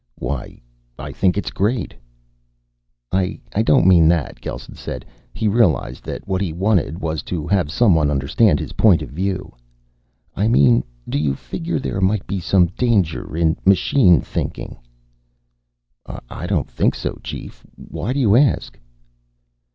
"Why, I think it's great." "I don't mean that," Gelsen said. He realized that what he wanted was to have someone understand his point of view. "I mean do you figure there might be some danger in machine thinking?" "I don't think so, Chief. Why do you ask?"